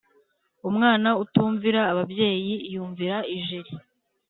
Umwana utumvira ababyeyi yumvira ijeri